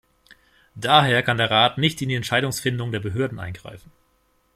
Daher kann der Rat nicht in die Entscheidungsfindung der Behörden eingreifen.